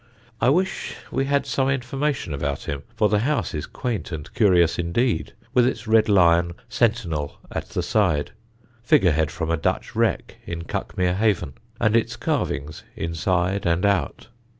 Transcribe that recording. I wish we had some information about him, for the house is quaint and curious indeed, with its red lion sentinel at the side (figure head from a Dutch wreck in Cuckmere Haven), and its carvings inside and out.